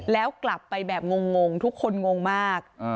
แล้วกลับไปแบบงงทุกคนงงมาก